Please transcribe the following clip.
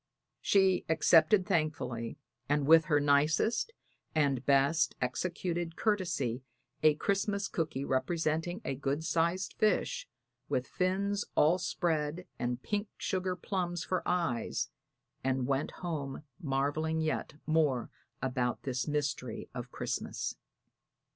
She accepted thankfully and with her nicest and best executed courtesy a Christmas cooky representing a good sized fish, with fins all spread and pink sugar plums for eyes, and went home marveling yet more about this mystery of Christmas.